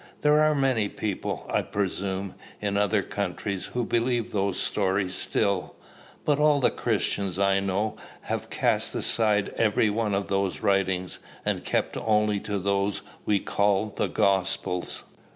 There are many people, I presume, in other countries, who believe those stories still; but all the Christians I know have cast aside every one of those writings, and keep only to those we call the Gospels.